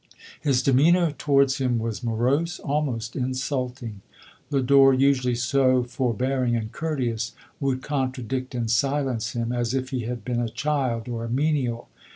His demeanour towards him was morose, almost insulting. Lodore, usually so 140 LODORE. forbearing and courteous, would contradict and silence him, as if he had been a child or a menial.